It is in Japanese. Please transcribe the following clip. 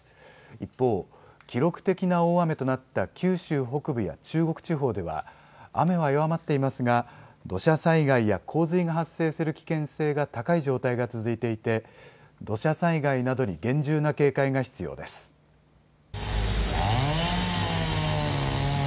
一方、記録的な大雨となった九州北部や中国地方では雨は弱まっていますが土砂災害や洪水が発生する危険性が高い状態が続いていて土砂災害などに厳重な警戒が必要です。